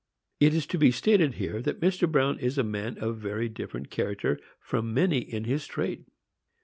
It is to be stated here that Mr. Bruin is a man of very different character from many in his trade.